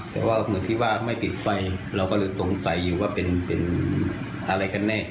แต่ว่าเหมือนที่ว่าไม่ติดไฟเราก็เลยสงสัยอยู่ว่าเป็นอะไรกันแน่